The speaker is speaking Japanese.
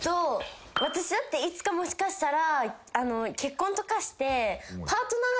私だっていつかもしかしたら結婚とかして。